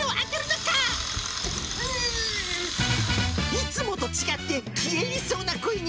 いつもと違って、消え入りそうな声に、